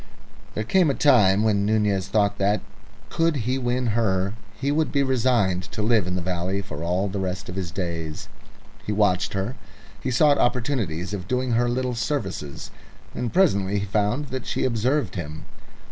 There came a time when Nunez thought that, could he win her, he would be resigned to live in the valley for all the rest of his days. He watched her; he sought opportunities of doing her little services, and presently he found that she observed him.